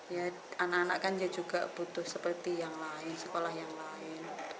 ya anak anak kan juga butuh seperti yang lain sekolah yang lain